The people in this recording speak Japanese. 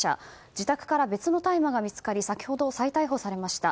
自宅から別の大麻が見つかり先ほど再逮捕されました。